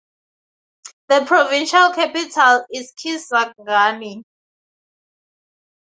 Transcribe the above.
The provincial capital is Kisangani.